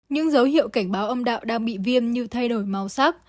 những dấu hiệu cảnh báo ông đạo đang bị viêm như thay đổi màu sắc